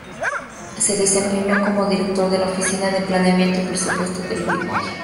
Se desempeñó como Director de la Oficina de Planeamiento y Presupuesto del Uruguay.